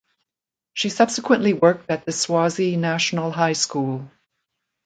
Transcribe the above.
She subsequently worked at the Swazi National High School.